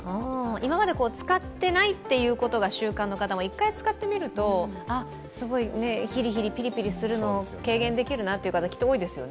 今まで使ってないことが習慣の方も一回使ってみると、あ、すごいヒリヒリピリピリするのを軽減できるなという方きっと多いですよね。